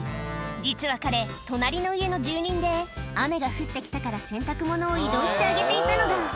実は彼隣の家の住人で雨が降ってきたから洗濯物を移動してあげていたのだ